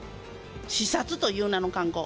視察という名の観光。